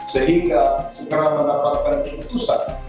sehingga segera mendapatkan keputusan